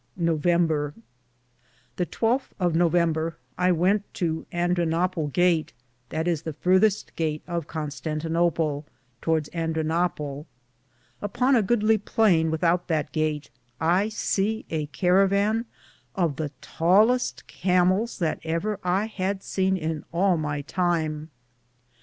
November. The 1 2 th of November I wente to Andranople gate, that is the farthest gate of Constantinople, towardes Andranople. Upon a goodly plaine withoute that gate, I se a carravan of the Taleste (tallest) Camels that ever I had sene in all my time.